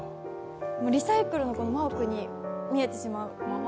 リサイクルのマークに見えてしまう。